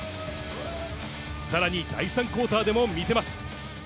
さらに、第３クオーターでも見せます。